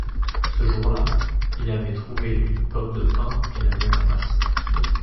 Ce jour là, il avait trouvé une pomme de pin et l'avait ramassée.